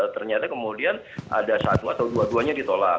ternyata kemudian ada satu atau dua duanya ditolak